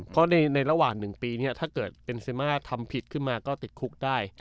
เพราะในระหว่างหนึ่งปีเนี่ยถ้าเบนเซมาทำผิดขึ้นมาก็ติดคุกได้